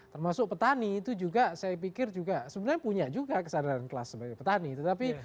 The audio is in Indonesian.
termasuk petani itu juga saya pikir juga sebenarnya punya juga kesadaran kelas sebagai petani